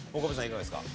いかがですか？